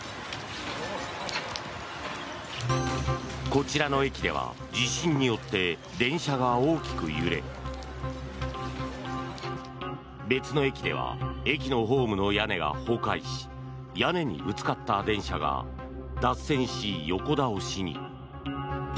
こちらの駅では地震によって電車が大きく揺れ別の駅では駅のホームの屋根が崩壊し屋根にぶつかった電車が脱線し、横倒しに。